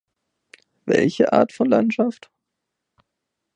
Welche Art von Landschaft?